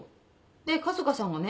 で春日さんがね